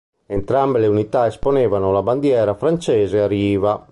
Entrambe le unità esponevano la bandiera francese a riva.